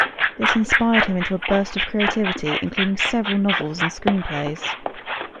This inspired him into a burst of creativity, including several novels and screenplays.